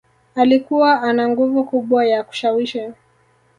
Alikuwa ana nguvu kubwa ya kushawishi